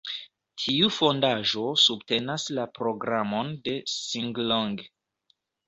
Tiu fondaĵo subtenas la programon de Singlong.